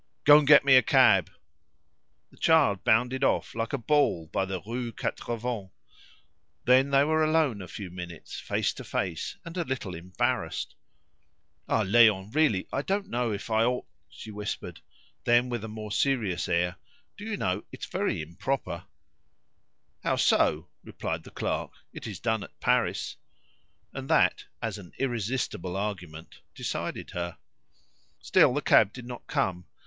"Go and get me a cab!" The child bounded off like a ball by the Rue Quatre Vents; then they were alone a few minutes, face to face, and a little embarrassed. "Ah! Léon! Really I don't know if I ought," she whispered. Then with a more serious air, "Do you know, it is very improper " "How so?" replied the clerk. "It is done at Paris." And that, as an irresistible argument, decided her. Still the cab did not come.